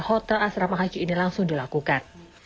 pembelian tempat isolasi hotel astrama haji ini langsung dilakukan